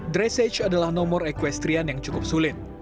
dan juga lebih ke kekuestrian yang cukup sulit